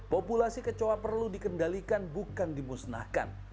populasi kecoa perlu dikendalikan bukan dimusnahkan